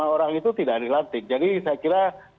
orang itu tidak dilantik jadi saya kira